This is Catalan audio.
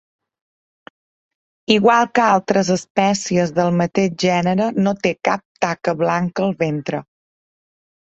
Igual que altres espècies del mateix gènere, no té cap taca blanca al ventre.